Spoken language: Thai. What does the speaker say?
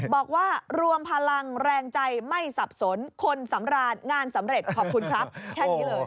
บอกว่ารวมพลังแรงใจไม่สับสนคนสำราญงานสำเร็จขอบคุณครับแค่นี้เลย